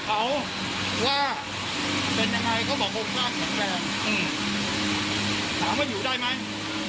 คือนอกรอบโดยที่ไม่มีเอกสารไม่มีอะไรคือคือมาดูอย่างนี้